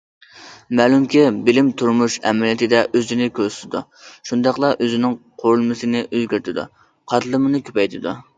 مەلۇمكى، بىلىم تۇرمۇش ئەمەلىيىتىدە ئۆزىنى كۆرسىتىدۇ، شۇنداقلا ئۆزىنىڭ قۇرۇلمىسىنى ئۆزگەرتىدۇ، قاتلىمىنى كۆپەيتىدۇ.